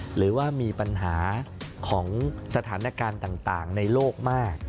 หรือว่ามีปัญหาของสถานการณ์ต่างในโลกมาก